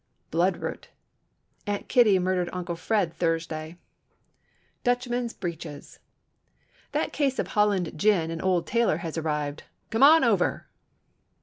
Blood root—"Aunt Kitty murdered Uncle Fred Thursday." Dutchman's Breeches—"That case of Holland gin and Old Tailor has arrived. Come on over."